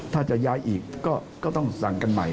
ถ้าจะย้ายอีกก็ต้องสั่งกันใหม่